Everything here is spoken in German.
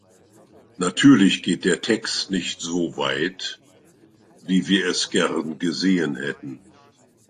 Natürlich geht der Text nicht so weit, wie wir es gern gesehen hätten.